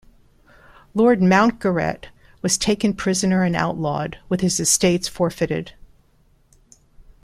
Lord Mountgarret was taken prisoner and outlawed, with his estates forfeited.